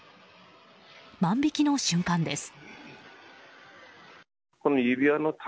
万引きの瞬間です。